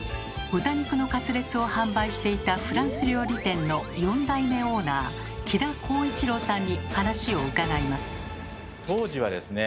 豚肉のカツレツを販売していたフランス料理店の４代目オーナー木田浩一朗さんに話を伺います。